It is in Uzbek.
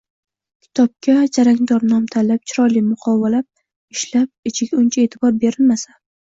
kitobga jarangdor nom tanlab, chiroyli muqovalar ishlab, ichiga uncha e’tibor berilmasa